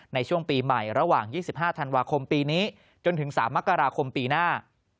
ในช่วงปีใหม่ระหว่าง๒๕ธันวาคมปีนี้จนถึง๓มกราคมปีหน้า